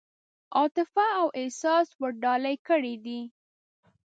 عاطفه او احساس ورډالۍ کړي دي.